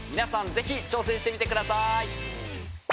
ぜひ挑戦してみてください！